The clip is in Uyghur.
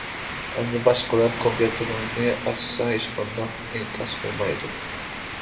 ئەمدى باشقىلار كومپيۇتېرىڭىزنى ئاچسا ھېچقانداق ئىنكاس بولمايدۇ.